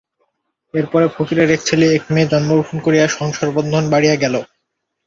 পরে পরে ফকিরের এক ছেলে এক মেয়ে জন্মগ্রহণ করিয়া সংসারবন্ধন বাড়িয়া গেল।